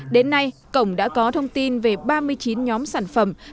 đến nay cổng đã có thông tin về ba mươi chín nhóm sản phẩm